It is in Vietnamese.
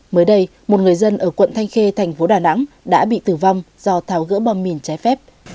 mới đây một người dân ở quận thanh khê thành phố đà nẵng đã bị tử vong do tháo gỡ bom mìn trái phép